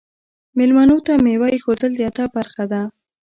میلمنو ته میوه ایښودل د ادب برخه ده.